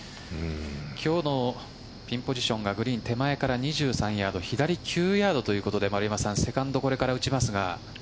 今日のピンポジションがグリーン手前から２３ヤード左９ヤードということで丸山さん、セカンドこれから打ちますが。